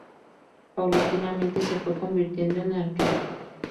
Paulatinamente se fue convirtiendo en arquero.